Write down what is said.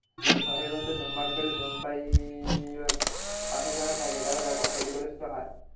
ঘরের ভেতরে ধূমপান করলে ধূমপায়ীর পাশে যারা থাকে, তারা ব্যাপক ক্ষতিগ্রস্ত হয়।